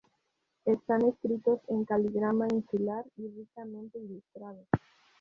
Están escritos en caligrafía insular y ricamente ilustrados.